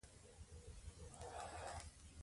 هغې د تبه او روماتیسم سره مخ وه.